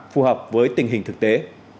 phù hợp với tình hình thực tế